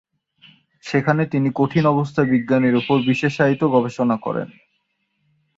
সেখানে তিনি কঠিন অবস্থা বিজ্ঞানের উপর বিশেষায়িত গবেষণা করেন।